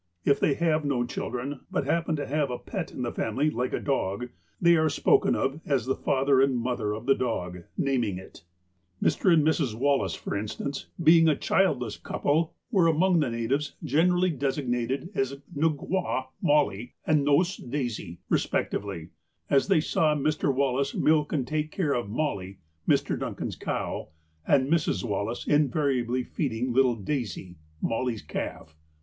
If they have no children, but happen to have a pet in the family, like a dog, they are spoken of as the father and mother of the dog, naming it. Mr. and Mrs. Wallace, for instance, being a childless 342 THE APOSTLE OF ALASKA couple, were among the natives generally designated as ''Nugwahd Mollie" and " Nos Daisy" respectively, as they saw Mr. Wallace milk and take care of " Mollie," Mr. Duncan's cow, and Mrs. Wallace invariably feeding little " Daisy," Mollie' s calf.